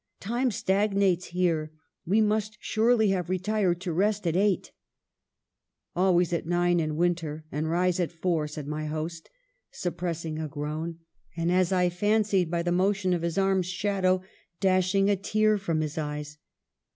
Time stagnates here : we must surely have retired to rest at eight !'"' Always at nine in winter, and rise at four,' said my host, suppressing a groan ; and, as I fancied, by the motion of his arm's shadow, dash ing a tear from his eyes.